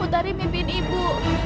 utari mimpiin ibu